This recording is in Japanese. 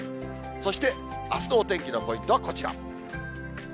そしてあすのお天気のポイントはこちら。